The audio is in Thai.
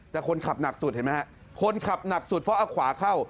แต่คนขับหนักสุดเห็นไหมฮะคนขับหนักสุดเพราะเอาขวาเข้า